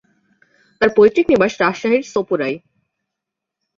তার পৈতৃক নিবাস রাজশাহীর সপুরায়।